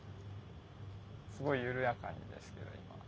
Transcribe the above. すごい緩やかにですけど今。